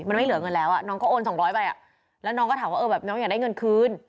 มันไม่เหลือเงินแล้วน้องก็โอน๒๐๐ไปแล้วน้องก็ถามว่าอยากได้เงินคืน